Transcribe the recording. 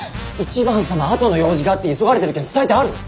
１番様後の用事があって急がれてる件伝えてある？